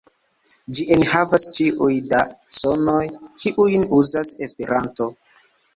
Ĝi enhavas ĉiuj da sonoj, kiujn uzas Esperanto.